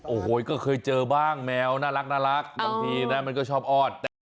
โอ้โหก็เคยเจอบ้างแมวน่ารักบางทีนะมันก็ชอบอ้อน